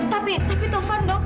tapi tapi tuhan dok